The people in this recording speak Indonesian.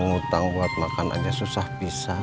mau ngutang buat makan aja susah pisah